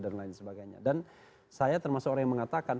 dan saya termasuk orang yang mengatakan